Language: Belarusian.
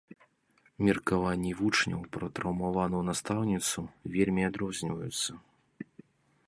Меркаванні вучняў пра траўмаваную настаўніцу вельмі адрозніваюцца.